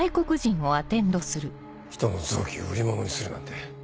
人の臓器を売り物にするなんて。